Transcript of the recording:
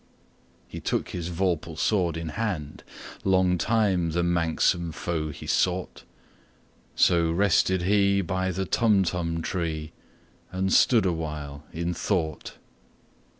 He took his vorpal sword in hand:Long time the manxome foe he sought—So rested he by the Tumtum tree, And stood awhile in thought.